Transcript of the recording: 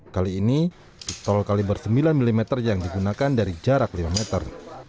kali ini tol kaliber sembilan mm yang digunakan dari jarak lima meter